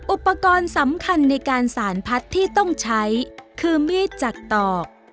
อุปกรณ์สำคัญในการสารพัดที่ต้องใช้คือมีดจากตอก